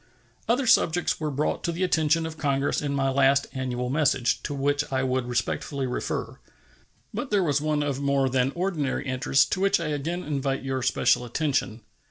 Other subjects were brought to the attention of Congress in my last annual message, to which I would respectfully refer. But there was one of more than ordinary interest, to which I again invite your special attention.